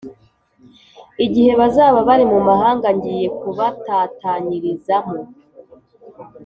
igihe bazaba bari mu mahanga ngiye kubatatanyirizamo